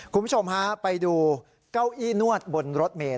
คุณผู้ชมฮะไปดูเก้าอี้นวดบนรถเมย์